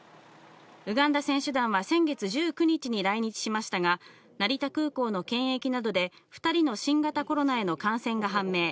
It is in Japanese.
ウガンダ選手団は先月１９日に来日しましたが、成田空港の検疫などで２人の新型コロナへの感染が判明。